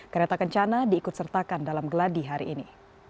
kereta kencana diikut sertakan dalam geladi hari ini